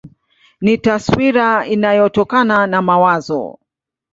Ni taswira inayotokana na mawazo.